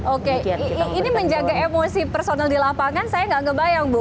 oke ini menjaga emosi personel di lapangan saya nggak ngebayang bu